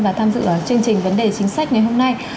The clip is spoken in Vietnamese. và tham dự chương trình vấn đề chính sách ngày hôm nay